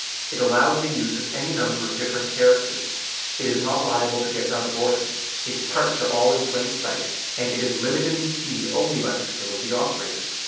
It allows the use of any number of different characters, it is not liable to get out of order, its parts are all in plain sight, and it is limited in speed only by the skill of the operator.